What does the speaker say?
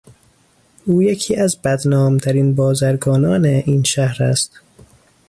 او یکی از بدنامترین بازرگانان این شهر است.